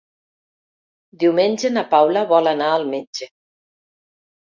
Diumenge na Paula vol anar al metge.